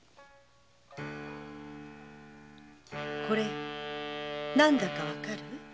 これ何だかわかる？